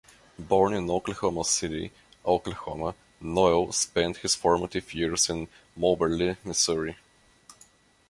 Born in Oklahoma City, Oklahoma, Noel spent his formative years in Moberly, Missouri.